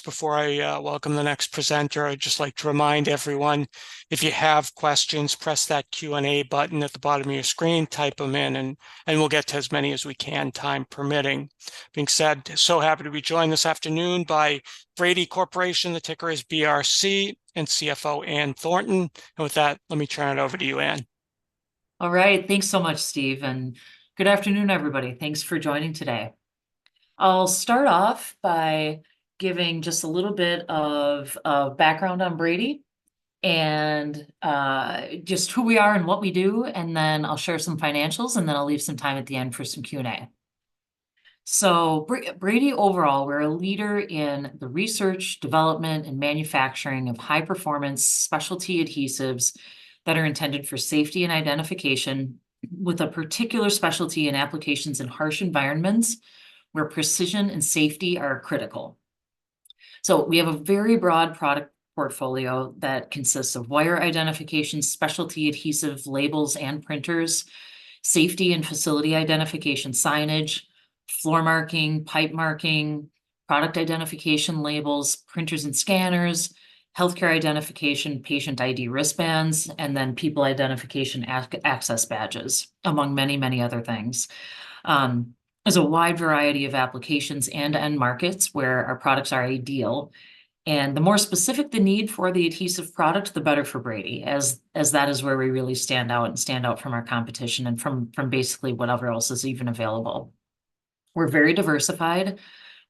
Before I welcome the next presenter, I'd just like to remind everyone, if you have questions, press that Q&A button at the bottom of your screen, type them in, and we'll get to as many as we can, time permitting. That being said, so happy to be joined this afternoon by Brady Corporation, the ticker is BRC, and CFO Ann Thornton. And with that, let me turn it over to you, Ann. All right. Thanks so much, Steve, and good afternoon, everybody. Thanks for joining today. I'll start off by giving just a little bit of background on Brady, and just who we are and what we do, and then I'll share some financials, and then I'll leave some time at the end for some Q&A. So Brady, overall, we're a leader in the research, development, and manufacturing of high-performance specialty adhesives that are intended for safety and identification, with a particular specialty in applications in harsh environments, where precision and safety are critical. So we have a very broad product portfolio that consists of wire identification, specialty adhesive labels and printers, safety and facility identification signage, floor marking, pipe marking, product identification labels, printers and scanners, healthcare identification, patient ID wristbands, and then people identification access badges, among many, many other things. There's a wide variety of applications and end markets where our products are ideal, and the more specific the need for the adhesive product, the better for Brady, as that is where we really stand out from our competition and from basically whatever else is even available. We're very diversified.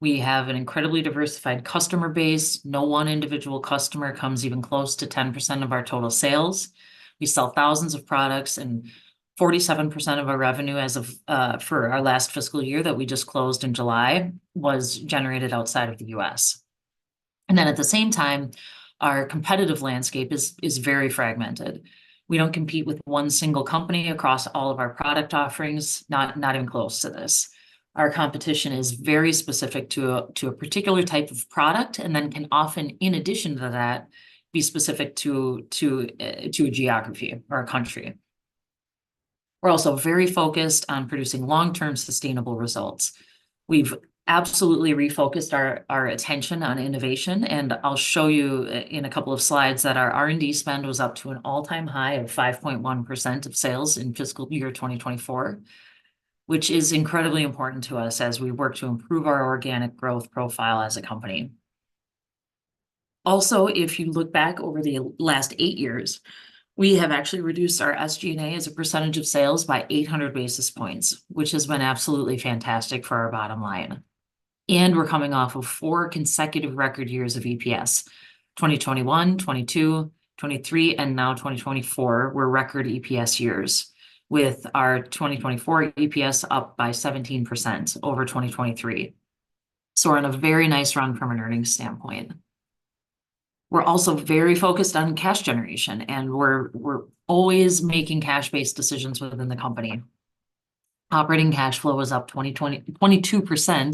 We have an incredibly diversified customer base. No one individual customer comes even close to 10% of our total sales. We sell thousands of products, and 47% of our revenue as of for our last fiscal year that we just closed in July was generated outside of the U.S. Then at the same time, our competitive landscape is very fragmented. We don't compete with one single company across all of our product offerings, not even close to this. Our competition is very specific to a particular type of product, and then can often, in addition to that, be specific to a geography or a country. We're also very focused on producing long-term sustainable results. We've absolutely refocused our attention on innovation, and I'll show you in a couple of slides that our R&D spend was up to an all-time high of 5.1% of sales in fiscal year 2024, which is incredibly important to us as we work to improve our organic growth profile as a company. Also, if you look back over the last eight years, we have actually reduced our SG&A as a percentage of sales by 800 basis points, which has been absolutely fantastic for our bottom line. We're coming off of four consecutive record years of EPS: 2021, 2022, 2023, and now 2024 were record EPS years, with our 2024 EPS up by 17% over 2023. We're on a very nice run from an earnings standpoint. We're also very focused on cash generation, and we're always making cash-based decisions within the company. Operating cash flow was up 22%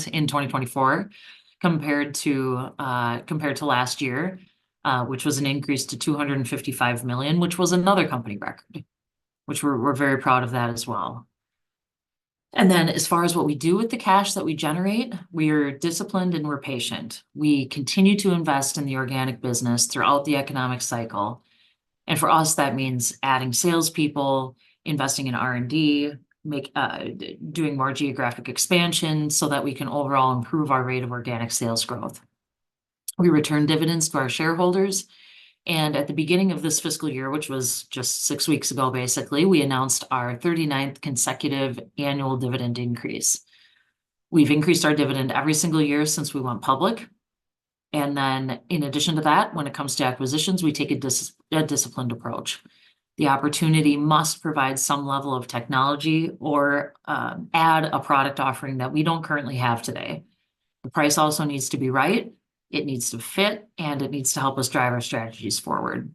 in 2024, compared to last year, which was an increase to $255 million, which was another company record, which we're very proud of that as well. As far as what we do with the cash that we generate, we're disciplined, and we're patient. We continue to invest in the organic business throughout the economic cycle, and for us, that means adding salespeople, investing in R&D, doing more geographic expansion so that we can overall improve our rate of organic sales growth. We return dividends to our shareholders, and at the beginning of this fiscal year, which was just six weeks ago, basically, we announced our 39th consecutive annual dividend increase. We've increased our dividend every single year since we went public, and then in addition to that, when it comes to acquisitions, we take a disciplined approach. The opportunity must provide some level of technology or add a product offering that we don't currently have today. The price also needs to be right, it needs to fit, and it needs to help us drive our strategies forward.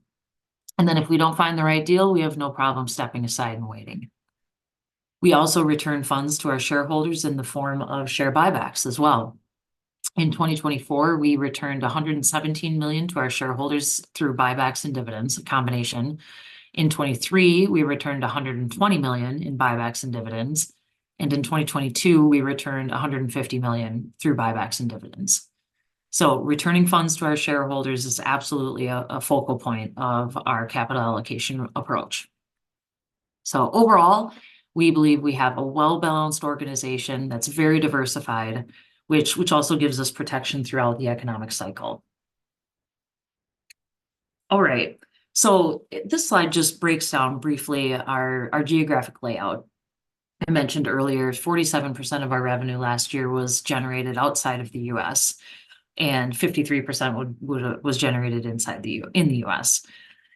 And then if we don't find the right deal, we have no problem stepping aside and waiting. We also return funds to our shareholders in the form of share buybacks as well. In 2024, we returned $117 million to our shareholders through buybacks and dividends, a combination. In 2023, we returned $120 million in buybacks and dividends, and in 2022, we returned $150 million through buybacks and dividends. So returning funds to our shareholders is absolutely a focal point of our capital allocation approach. So overall, we believe we have a well-balanced organization that's very diversified, which also gives us protection throughout the economic cycle. All right, so this slide just breaks down briefly our geographic layout. I mentioned earlier, 47% of our revenue last year was generated outside of the U.S., and 53% was generated inside the U.S.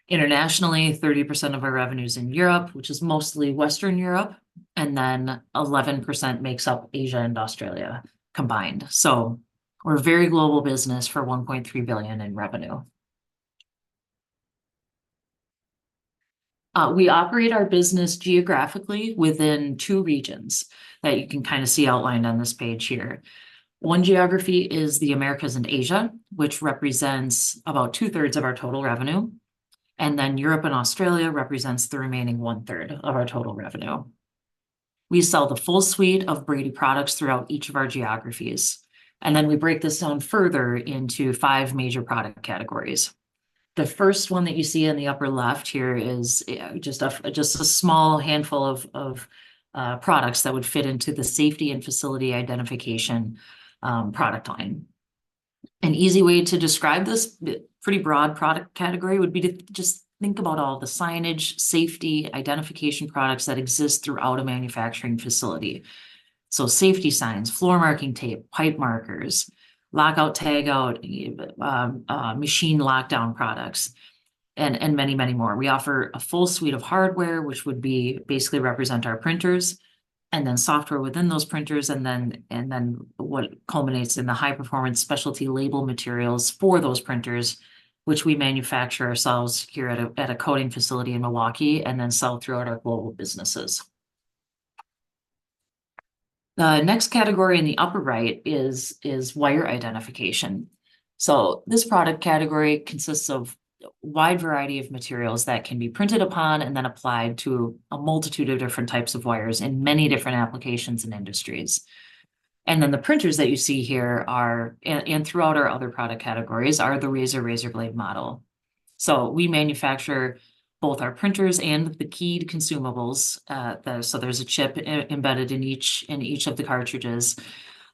Internationally, 30% of our revenue's in Europe, which is mostly Western Europe, and then 11% makes up Asia and Australia combined. So we're a very global business for $1.3 billion in revenue. We operate our business geographically within two regions that you can kind of see outlined on this page here. One geography is the Americas and Asia, which represents about 2/3 of our total revenue, and then Europe and Australia represents the remaining 1/3 of our total revenue. We sell the full suite of Brady products throughout each of our geographies, and then we break this down further into five major product categories. The first one that you see in the upper left here is just a small handful of products that would fit into the safety and facility identification product line. An easy way to describe this pretty broad product category would be to just think about all the signage, safety, identification products that exist throughout a manufacturing facility. So safety signs, floor marking tape, pipe markers, lockout tagout, machine lockdown products, and many more. We offer a full suite of hardware, which would be basically represent our printers, and then software within those printers, and then what culminates in the high-performance specialty label materials for those printers, which we manufacture ourselves here at a coating facility in Milwaukee, and then sell throughout our global businesses. The next category in the upper right is wire identification. This product category consists of a wide variety of materials that can be printed upon and then applied to a multitude of different types of wires in many different applications and industries. The printers that you see here, and throughout our other product categories, are the razor blade model. We manufacture both our printers and the keyed consumables. There's a chip embedded in each of the cartridges,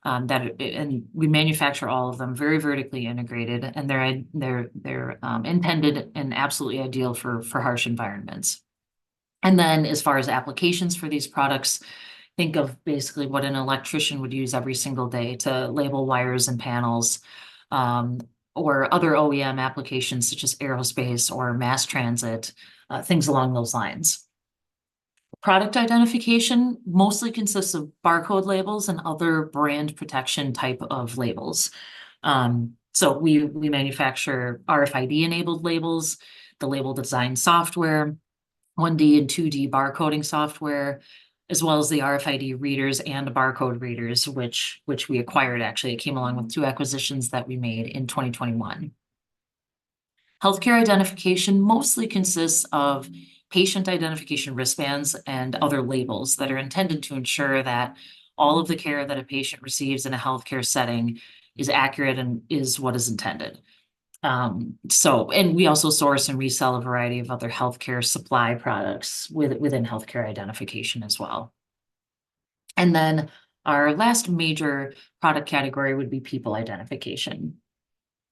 and we manufacture all of them, very vertically integrated, and they're intended and absolutely ideal for harsh environments. As far as applications for these products, think of basically what an electrician would use every single day to label wires and panels, or other OEM applications, such as aerospace or mass transit, things along those lines. Product identification mostly consists of barcode labels and other brand protection type of labels. We manufacture RFID-enabled labels, the label design software, 1D and 2D bar coding software, as well as the RFID readers and barcode readers, which we acquired, actually. It came along with two acquisitions that we made in 2021. Healthcare identification mostly consists of patient identification wristbands and other labels that are intended to ensure that all of the care that a patient receives in a healthcare setting is accurate and is what is intended, and we also source and resell a variety of other healthcare supply products within healthcare identification as well, and then, our last major product category would be people identification.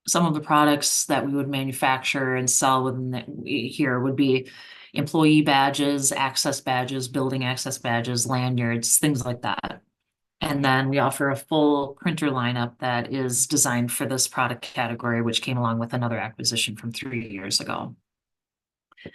Some of the products that we would manufacture and sell within that, here would be employee badges, access badges, building access badges, lanyards, things like that. And then we offer a full printer lineup that is designed for this product category, which came along with another acquisition from three years ago.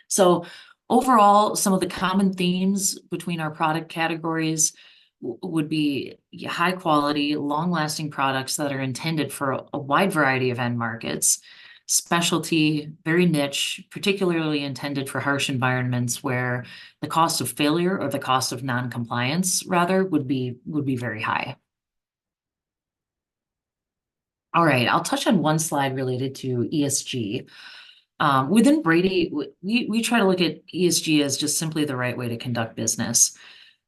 So overall, some of the common themes between our product categories would be high quality, long-lasting products that are intended for a wide variety of end markets. Specialty, very niche, particularly intended for harsh environments, where the cost of failure or the cost of non-compliance, rather, would be very high. All right, I'll touch on one slide related to ESG. Within Brady, we try to look at ESG as just simply the right way to conduct business.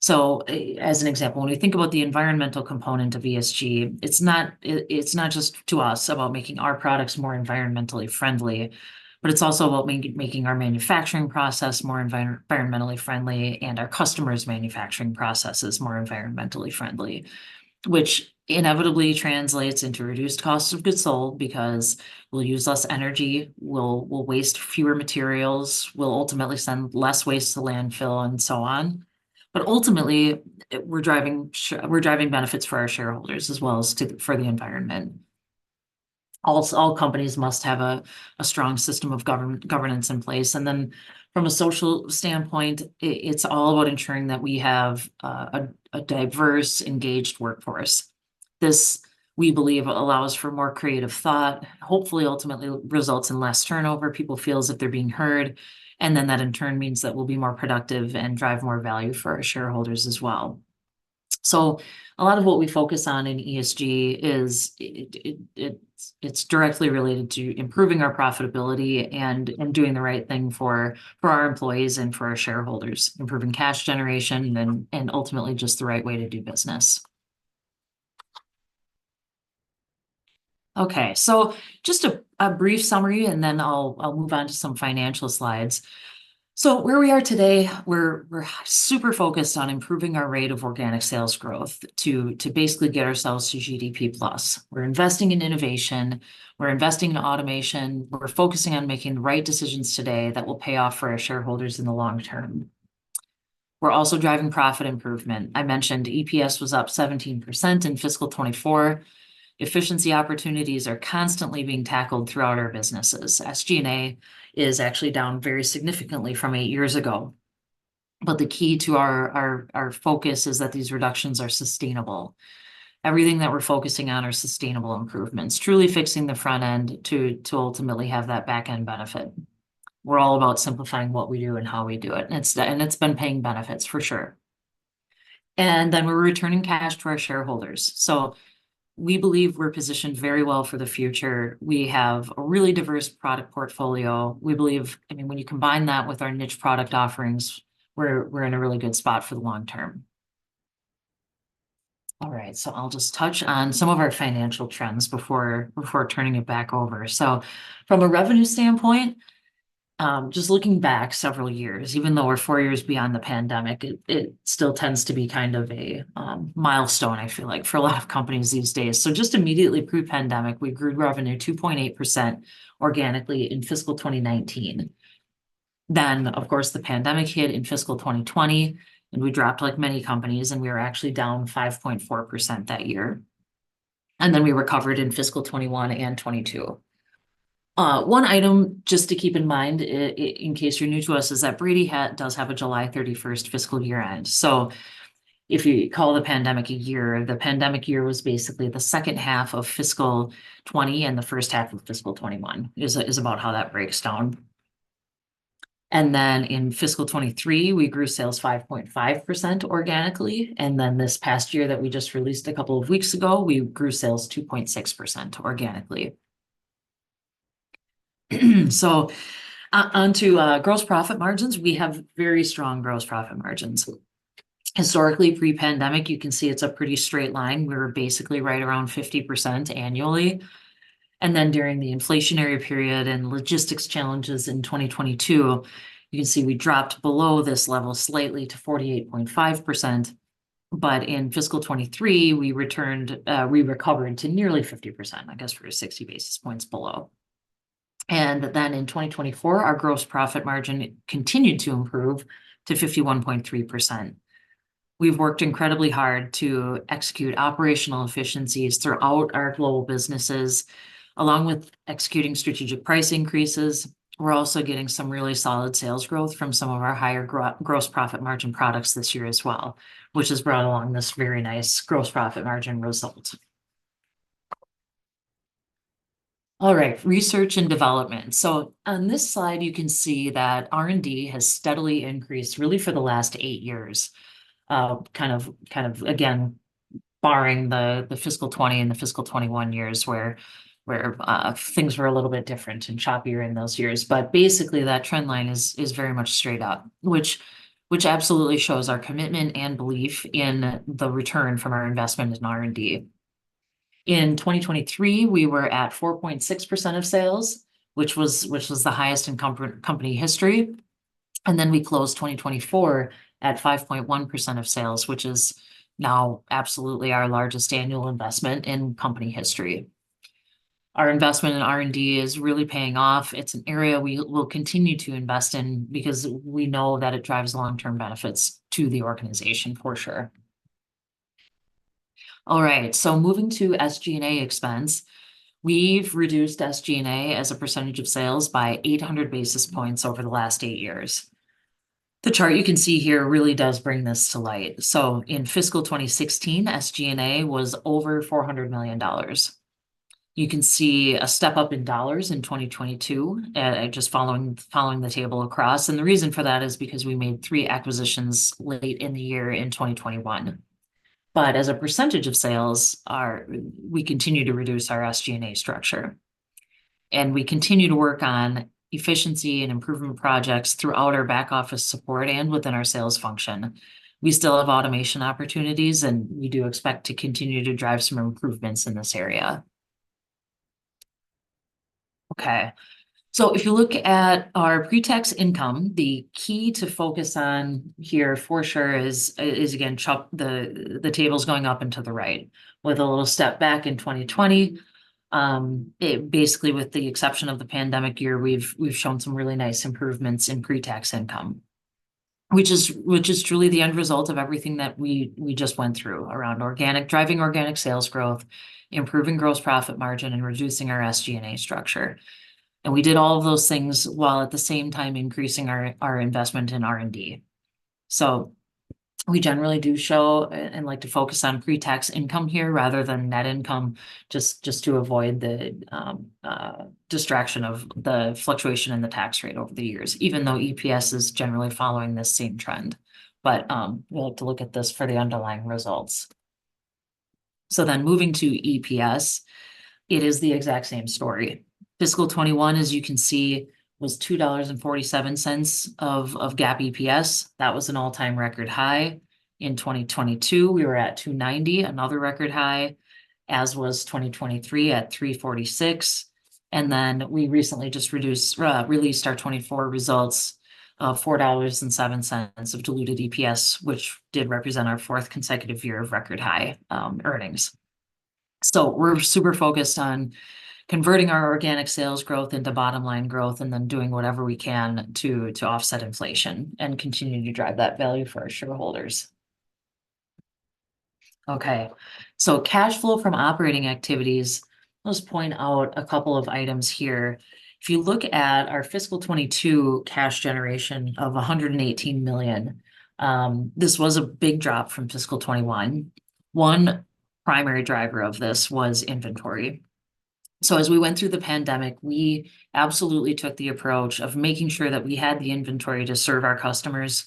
As an example, when we think about the environmental component of ESG, it's not just to us about making our products more environmentally friendly, but it's also about making our manufacturing process more environmentally friendly, and our customers' manufacturing processes more environmentally friendly. Which inevitably translates into reduced costs of goods sold, because we'll use less energy, we'll waste fewer materials, we'll ultimately send less waste to landfill, and so on. But ultimately, we're driving benefits for our shareholders, as well as for the environment. Also, all companies must have a strong system of governance in place. Then from a social standpoint, it's all about ensuring that we have a diverse, engaged workforce. This, we believe, allows for more creative thought, hopefully ultimately results in less turnover, people feels that they're being heard, and then that, in turn, means that we'll be more productive and drive more value for our shareholders as well. So a lot of what we focus on in ESG is directly related to improving our profitability and doing the right thing for our employees and for our shareholders, improving cash generation, and then ultimately, just the right way to do business. Okay, so just a brief summary, and then I'll move on to some financial slides. So where we are today, we're super focused on improving our rate of organic sales growth to basically get ourselves to GDP+. We're investing in innovation, we're investing in automation, we're focusing on making the right decisions today that will pay off for our shareholders in the long term. We're also driving profit improvement. I mentioned EPS was up 17% in fiscal 2024. Efficiency opportunities are constantly being tackled throughout our businesses. SG&A is actually down very significantly from eight years ago, but the key to our focus is that these reductions are sustainable. Everything that we're focusing on are sustainable improvements, truly fixing the front end to ultimately have that back-end benefit. We're all about simplifying what we do and how we do it, and it's done, and it's been paying benefits, for sure, and then we're returning cash to our shareholders, so we believe we're positioned very well for the future. We have a really diverse product portfolio. We believe, I mean, when you combine that with our niche product offerings, we're in a really good spot for the long term. All right, so I'll just touch on some of our financial trends before turning it back over. So from a revenue standpoint, just looking back several years, even though we're four years beyond the pandemic, it still tends to be kind of a milestone, I feel like, for a lot of companies these days. So just immediately pre-pandemic, we grew revenue 2.8% organically in fiscal 2019. Then, of course, the pandemic hit in fiscal 2020, and we dropped, like many companies, and we were actually down 5.4% that year, and then we recovered in fiscal 2021 and 2022. One item just to keep in mind, in case you're new to us, is that Brady, that does have a July thirty-first fiscal year end. So if you call the pandemic a year, the pandemic year was basically the second half of fiscal 2020 and the first half of fiscal 2021, is about how that breaks down. And then in fiscal 2023, we grew sales 5.5% organically, and then this past year that we just released a couple of weeks ago, we grew sales 2.6% organically. So onto gross profit margins, we have very strong gross profit margins. Historically, pre-pandemic, you can see it's a pretty straight line. We're basically right around 50% annually, and then during the inflationary period and logistics challenges in 2022, you can see we dropped below this level slightly to 48.5%. But in fiscal 2023, we returned. We recovered to nearly 50%, I guess we're 60 basis points below. And then in 2024, our gross profit margin continued to improve to 51.3%. We've worked incredibly hard to execute operational efficiencies throughout our global businesses, along with executing strategic price increases. We're also getting some really solid sales growth from some of our higher gross profit margin products this year as well, which has brought along this very nice gross profit margin result. All right, research and development. So on this slide, you can see that R&D has steadily increased really for the last eight years, kind of, again, barring the fiscal 2020 and the fiscal 2021 years, where things were a little bit different and choppier in those years. But basically, that trend line is very much straight up, which absolutely shows our commitment and belief in the return from our investment in R&D. In 2023, we were at 4.6% of sales, which was the highest in company history, and then we closed 2024 at 5.1% of sales, which is now absolutely our largest annual investment in company history. Our investment in R&D is really paying off. It's an area we will continue to invest in because we know that it drives long-term benefits to the organization for sure. All right, so moving to SG&A expense. We've reduced SG&A as a percentage of sales by 800 basis points over the last eight years. The chart you can see here really does bring this to light. So in fiscal 2016, SG&A was over $400 million. You can see a step up in dollars in 2022, just following the table across, and the reason for that is because we made three acquisitions late in the year in 2021. But as a percentage of sales, we continue to reduce our SG&A structure, and we continue to work on efficiency and improvement projects throughout our back office support and within our sales function. We still have automation opportunities, and we do expect to continue to drive some improvements in this area. Okay, so if you look at our pre-tax income, the key to focus on here for sure is again, check the table's going up and to the right with a little step back in 2020. It basically, with the exception of the pandemic year, we've shown some really nice improvements in pre-tax income, which is truly the end result of everything that we just went through around organic driving organic sales growth, improving gross profit margin, and reducing our SG&A structure. And we did all of those things while at the same time increasing our investment in R&D. So we generally do show and like to focus on pre-tax income here rather than net income, just to avoid the distraction of the fluctuation in the tax rate over the years, even though EPS is generally following the same trend. But we'll have to look at this for the underlying results. So then moving to EPS, it is the exact same story. Fiscal 2021, as you can see, was $2.47 of GAAP EPS. That was an all-time record high. In 2022, we were at $2.90, another record high, as was 2023 at $3.46, and then we recently just released our 2024 results, $4.07 of diluted EPS, which did represent our fourth consecutive year of record high earnings. So we're super focused on converting our organic sales growth into bottom line growth and then doing whatever we can to offset inflation and continuing to drive that value for our shareholders. Okay, so cash flow from operating activities. Let's point out a couple of items here. If you look at our fiscal 2022 cash generation of $118 million, this was a big drop from fiscal 2021. One primary driver of this was inventory. So as we went through the pandemic, we absolutely took the approach of making sure that we had the inventory to serve our customers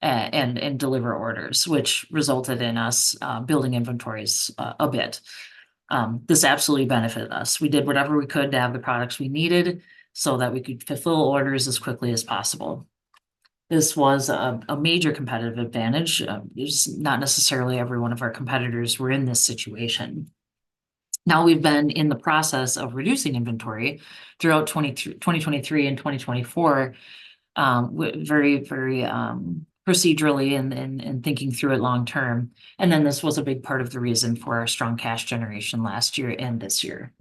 and deliver orders, which resulted in us building inventories a bit. This absolutely benefited us. We did whatever we could to have the products we needed so that we could fulfill orders as quickly as possible. This was a major competitive advantage. Just not necessarily every one of our competitors were in this situation. Now we've been in the process of reducing inventory throughout 2023 and 2024, very, very procedurally and thinking through it long term. And then this was a big part of the reason for our strong cash generation last year and this year,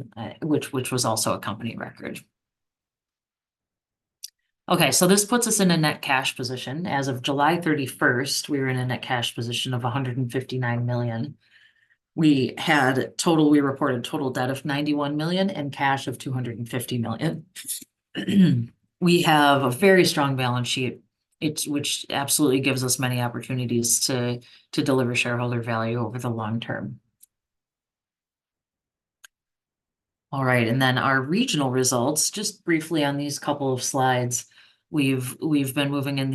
which was also a company record. Okay, so this puts us in a net cash position. As of July 31st, we were in a net cash position of $159 million. We had total--we reported total debt of $91 million, and cash of $250 million. We have a very strong balance sheet, which absolutely gives us many opportunities to deliver shareholder value over the long term. All right, and then our regional results, just briefly on these couple of slides, we've been moving in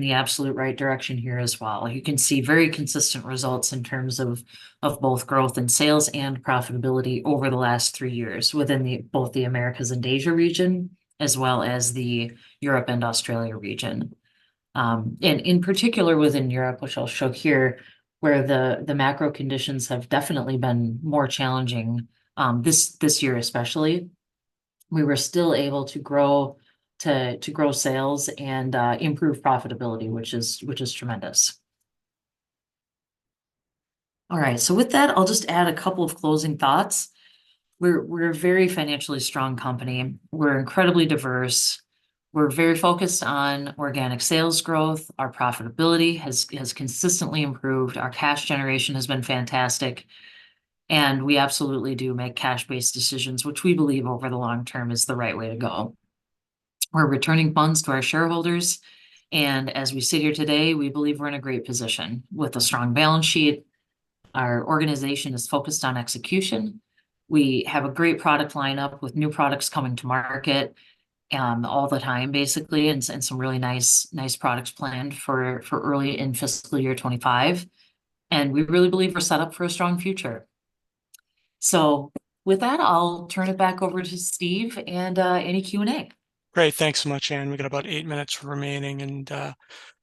the absolute right direction here as well. You can see very consistent results in terms of both growth and sales and profitability over the last three years within both the Americas and Asia region, as well as the Europe and Australia region. And in particular, within Europe, which I'll show here, where the macro conditions have definitely been more challenging, this year especially. We were still able to grow sales and improve profitability, which is tremendous. All right, so with that, I'll just add a couple of closing thoughts. We're a very financially strong company. We're incredibly diverse. We're very focused on organic sales growth. Our profitability has consistently improved. Our cash generation has been fantastic, and we absolutely do make cash-based decisions, which we believe over the long term is the right way to go. We're returning funds to our shareholders, and as we sit here today, we believe we're in a great position with a strong balance sheet. Our organization is focused on execution. We have a great product line-up, with new products coming to market all the time, basically, and some really nice products planned for early in fiscal year 2025, and we really believe we're set up for a strong future. So with that, I'll turn it back over to Steve, and any Q&A. Great. Thanks so much, Ann. We've got about eight minutes remaining, and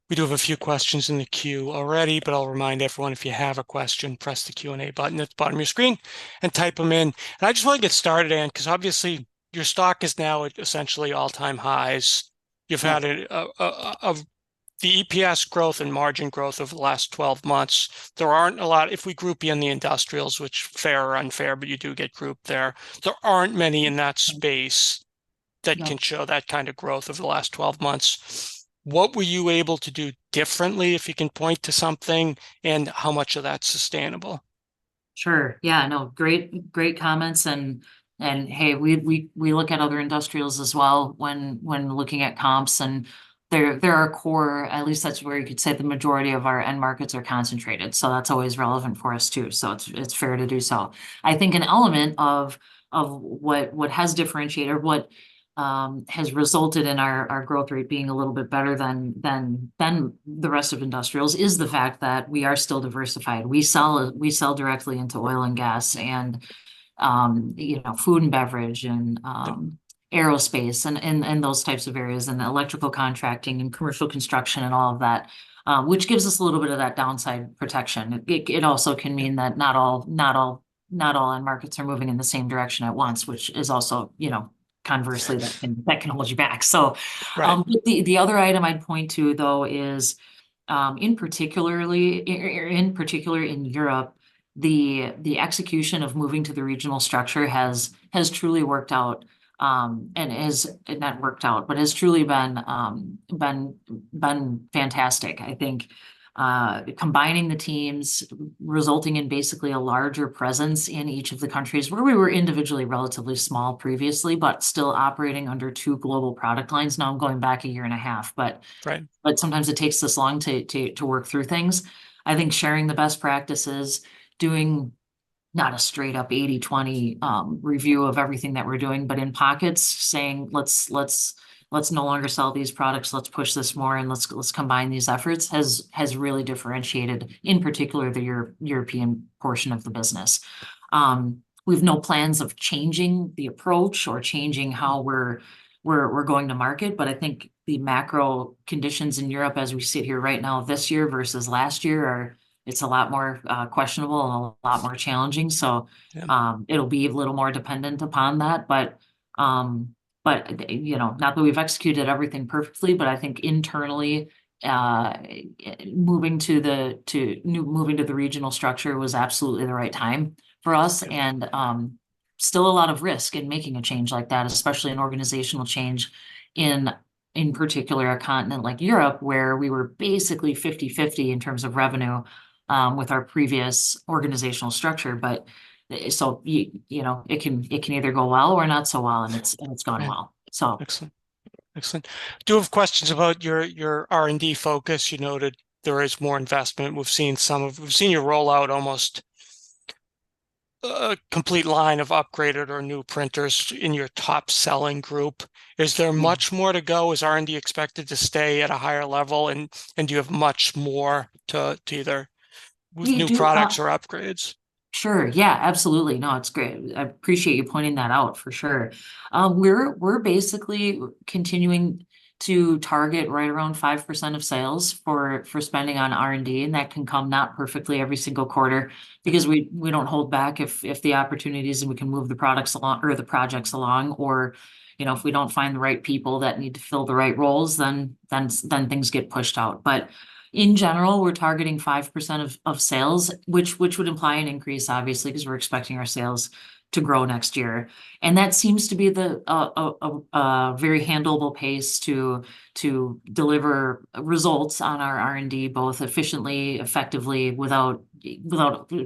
we do have a few questions in the queue already, but I'll remind everyone, if you have a question, press the Q&A button at the bottom of your screen and type them in. And I just wanna get started, Ann, 'cause obviously, your stock is now at essentially all-time highs. You've had. The EPS growth and margin growth over the last 12 months, there aren't a lot. If we group you in the industrials, which fair or unfair, but you do get grouped there, there aren't many in that space that can show that kind of growth over the last 12 months. What were you able to do differently, if you can point to something, and how much of that's sustainable? Sure. Yeah, no, great, great comments, and hey, we look at other industrials as well when looking at comps, and they're our core, at least that's where you could say the majority of our end markets are concentrated, so that's always relevant for us, too, so it's fair to do so. I think an element of what has differentiated or what has resulted in our growth rate being a little bit better than the rest of industrials is the fact that we are still diversified. We sell directly into oil and gas and you know, food and beverage and aerospace, and those types of areas, and electrical contracting and commercial construction and all of that, which gives us a little bit of that downside protection. It also can mean that not all end markets are moving in the same direction at once, which is also, you know, conversely, that thing that can hold you back. So the other item I'd point to, though, is, in particular in Europe, the execution of moving to the regional structure has truly worked out, and has--It not worked out, but has truly been fantastic. I think, combining the teams, resulting in basically a larger presence in each of the countries, where we were individually relatively small previously, but still operating under two global product lines. Now I'm going back a year and a half, but sometimes it takes this long to work through things. I think sharing the best practices, doing not a straight up 80/20 review of everything that we're doing, but in pockets, saying, "Let's no longer sell these products, let's push this more, and let's combine these efforts," has really differentiated, in particular, the European portion of the business. We've no plans of changing the approach or changing how we're going to market, but I think the macro conditions in Europe as we sit here right now this year versus last year are. It's a lot more questionable and a lot more challenging. It'll be a little more dependent upon that, but you know, not that we've executed everything perfectly, but I think internally, moving to the regional structure was absolutely the right time for us, and still a lot of risk in making a change like that, especially an organizational change, in particular, a continent like Europe, where we were basically 50/50 in terms of revenue, with our previous organizational structure. But so, you know, it can either go well or not so well, and it's gone well. Excellent. I do have questions about your R&D focus. You noted there is more investment. We've seen you roll out almost a complete line of upgraded or new printers in your top-selling group. Is there much more to go? Is R&D expected to stay at a higher level, and do you have much more to either-- We do have-- New products or upgrades? Sure. Yeah, absolutely. No, it's great. I appreciate you pointing that out, for sure. We're basically continuing to target right around 5% of sales for spending on R&D, and that can come not perfectly every single quarter. Because we don't hold back if the opportunities, and we can move the products along or the projects along, you know, if we don't find the right people that need to fill the right roles, then things get pushed out. But in general, we're targeting 5% of sales, which would imply an increase, obviously, because we're expecting our sales to grow next year. And that seems to be the very manageable pace to deliver results on our R&D, both efficiently, effectively, without.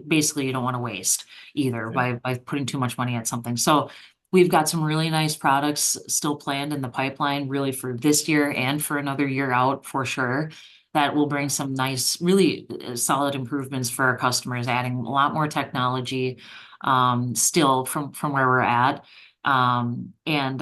Basically, you don't wanna waste, either by putting too much money at something. So we've got some really nice products still planned in the pipeline, really for this year and for another year out, for sure, that will bring some nice, really solid improvements for our customers, adding a lot more technology, still from where we're at. And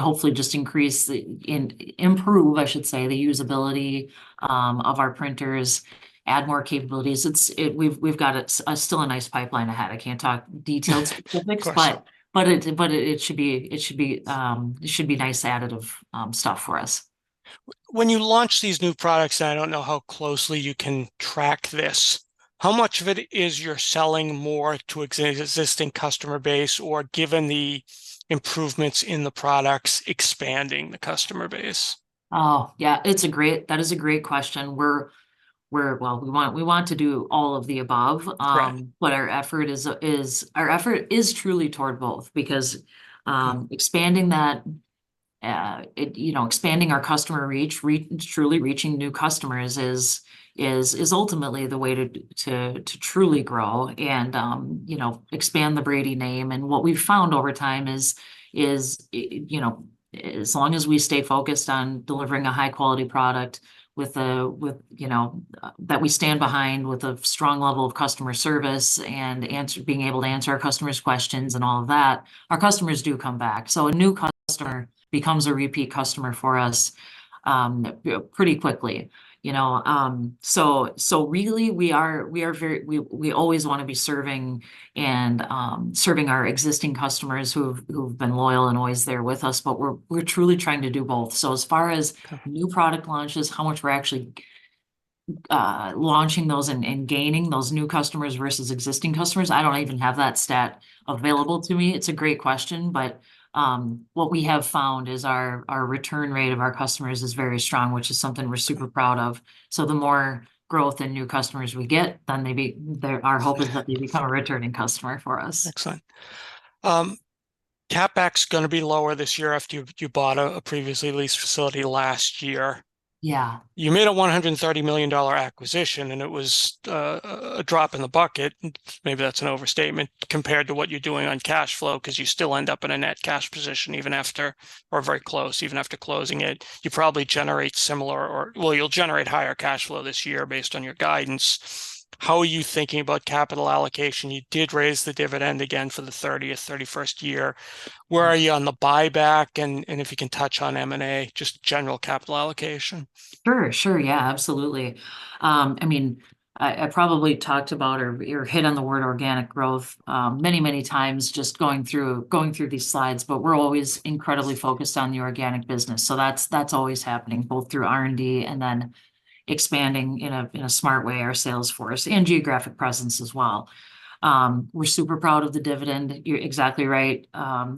hopefully just increase the, and improve, I should say, the usability of our printers, add more capabilities. It's we've got a still a nice pipeline ahead. I can't talk details, specifics but it should be nice additive stuff for us. When you launch these new products, and I don't know how closely you can track this, how much of it is you're selling more to existing customer base, or given the improvements in the products, expanding the customer base? Oh, yeah, it's a great. That is a great question. We're well, we want to do all of the above. Right. But our effort is truly toward both. Because, expanding that, it, you know, expanding our customer reach, truly reaching new customers is ultimately the way to truly grow and, you know, expand the Brady name. And what we've found over time is, you know, as long as we stay focused on delivering a high-quality product with a, with, you know, that we stand behind with a strong level of customer service, and being able to answer our customers' questions and all of that, our customers do come back. So a new customer becomes a repeat customer for us, you know, pretty quickly, you know? So really we are very. We always wanna be serving, and serving our existing customers who've been loyal and always there with us, but we're truly trying to do both. So as far as new product launches, how much we're actually launching those and gaining those new customers versus existing customers, I don't even have that stat available to me. It's a great question, but what we have found is our return rate of our customers is very strong, which is something we're super proud of. So the more growth in new customers we get, then maybe there, our hope is that you become a returning customer for us. Excellent. CapEx is gonna be lower this year after you bought a previously leased facility last year. Yeah. You made a $130 million acquisition, and it was a drop in the bucket, maybe that's an overstatement, compared to what you're doing on cash flow, 'cause you still end up in a net cash position even after, or very close, even after closing it. You probably generate similar, or, well, you'll generate higher cash flow this year based on your guidance. How are you thinking about capital allocation? You did raise the dividend again for the 30th, 31st year. Where are you on the buyback, and if you can touch on M&A, just general capital allocation? Sure. Sure, yeah, absolutely. I mean, I probably talked about or hit on the word organic growth many, many times just going through, going through these slides, but we're always incredibly focused on the organic business. So that's always happening, both through R&D and then expanding in a smart way our sales force, and geographic presence as well. We're super proud of the dividend. You're exactly right,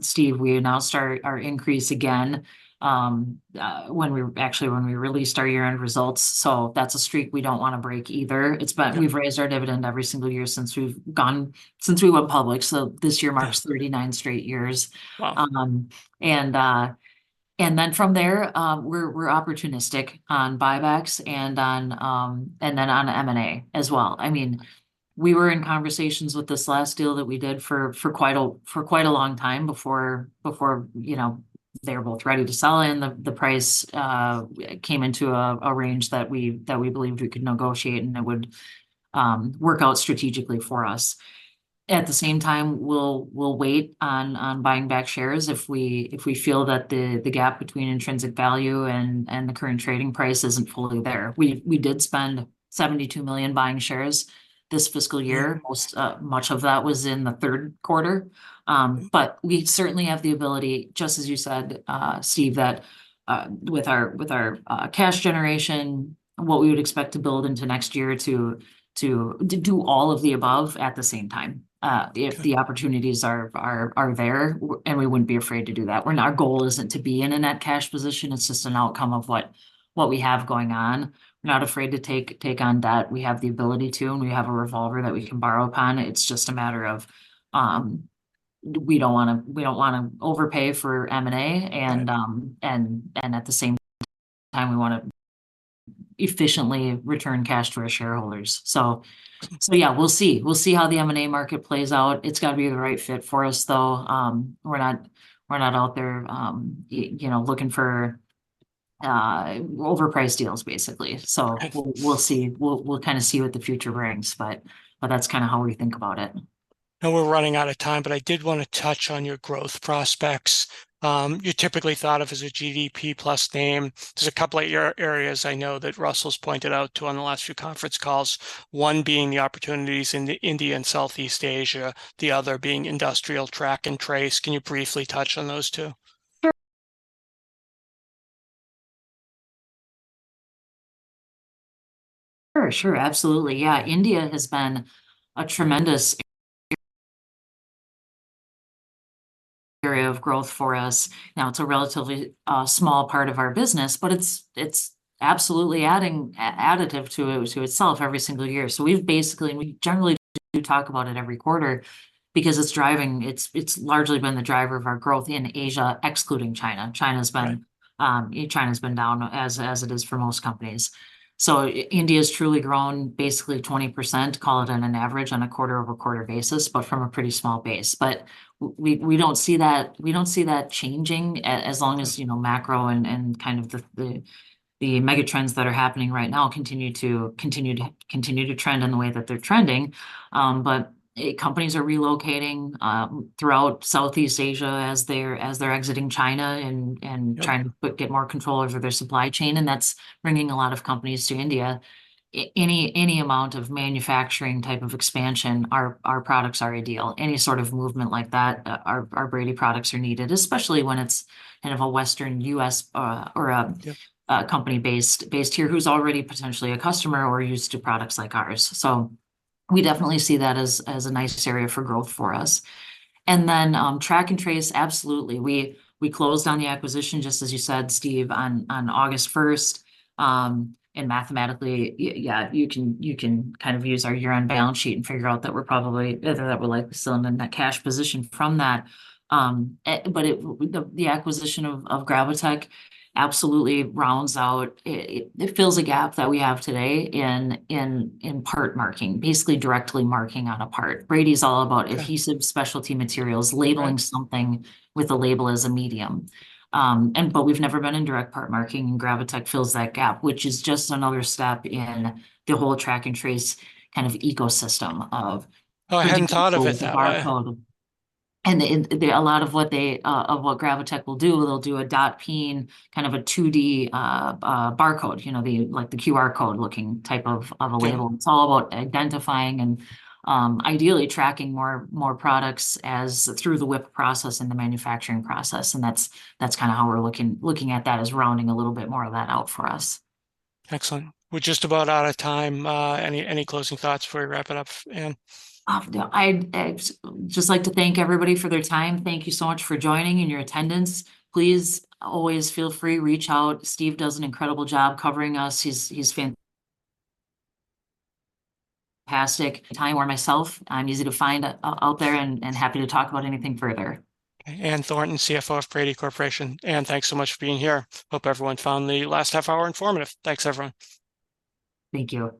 Steve. We announced our increase again actually, when we released our year-end results, so that's a streak we don't wanna break either. But we've raised our dividend every single year since we went public, so this year marks 39 straight years. Wow! From there, we're opportunistic on buybacks and then on M&A as well. I mean, we were in conversations with this last deal that we did for quite a long time before you know, they were both ready to sell, and the price came into a range that we believed we could negotiate and it would work out strategically for us. At the same time, we'll wait on buying back shares if we feel that the gap between intrinsic value and the current trading price isn't fully there. We did spend $72 million buying shares this fiscal year. Yeah. Most, much of that was in the third quarter. But we certainly have the ability, just as you said, Steve, that, with our cash generation, what we would expect to build into next year to do all of the above at the same time if the opportunities are there, and we wouldn't be afraid to do that. Our goal isn't to be in a net cash position, it's just an outcome of what we have going on. We're not afraid to take on debt. We have the ability to, and we have a revolver that we can borrow upon. It's just a matter of, we don't wanna overpay for M&A, and at the same time, we wanna efficiently return cash to our shareholders. So yeah, we'll see. We'll see how the M&A market plays out. It's gotta be the right fit for us, though. We're not out there, you know, looking for overpriced deals, basically. Right. We'll see. We'll kind of see what the future brings, but that's kind of how we think about it. We're running out of time, but I did want to touch on your growth prospects. You're typically thought of as a GDP+ name. There's a couple of areas I know that Russell's pointed out to on the last few conference calls, one being the opportunities in India and Southeast Asia, the other being industrial track and trace. Can you briefly touch on those two? Sure, sure, absolutely. Yeah, India has been a tremendous area of growth for us. Now, it's a relatively small part of our business, but it's absolutely adding additive to itself every single year. So we've basically, we generally do talk about it every quarter because it's driving. It's largely been the driver of our growth in Asia, excluding China. Right. China's been down, as it is for most companies. So India's truly grown basically 20%, call it on an average, on a quarter-over-quarter basis, but from a pretty small base. But we don't see that changing as long as you know macro and kind of the mega trends that are happening right now continue to trend in the way that they're trending. But companies are relocating throughout Southeast Asia as they're exiting China, and trying to get more control over their supply chain, and that's bringing a lot of companies to India. Any amount of manufacturing type of expansion, our products are ideal. Any sort of movement like that, our Brady products are needed, especially when it's kind of a Western U.S., or a- Yep. A company based here who's already potentially a customer or used to products like ours. So we definitely see that as a nice area for growth for us. And then, track and trace, absolutely. We closed on the acquisition, just as you said, Steve, on August 1st. And mathematically, yeah, you can kind of use our year-end balance sheet and figure out that we're likely still in that cash position from that. But it. The acquisition of Gravotech absolutely rounds out. It fills a gap that we have today in part marking, basically directly marking on a part. Brady is all about adhesive specialty materials-labeling something with a label as a medium. But we've never been in direct part marking, and Gravotech fills that gap, which is just another step in the whole track and trace kind of ecosystem of-- Oh, I hadn't thought of it that way. Putting a code, a barcode, and a lot of what Gravotech will do. They'll do a dot peen kind of a 2D barcode, you know, like the QR code-looking type of a label. It's all about identifying and, ideally, tracking more products as through the WIP process and the manufacturing process, and that's kind of how we're looking at that, as rounding a little bit more of that out for us. Excellent. We're just about out of time. Any closing thoughts before we wrap it up, Ann? I'd just like to thank everybody for their time. Thank you so much for joining and your attendance. Please, always feel free, reach out. Steve does an incredible job covering us. He's fantastic. Or myself, I'm easy to find out there, and happy to talk about anything further. Ann Thornton, CFO of Brady Corporation. Ann, thanks so much for being here. Hope everyone found the last half hour informative. Thanks, everyone. Thank you.